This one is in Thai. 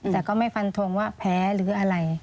แต่ก็ไม่ฟันทงว่าแพ้หรืออะไร